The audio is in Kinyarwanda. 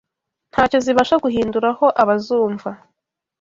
ntacyo zibasha guhinduraho abazumva